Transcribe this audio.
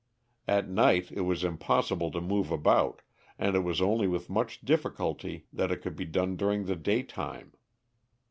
At night it was impossible to move about and it was only with much difficulty that it could be done during the daytime.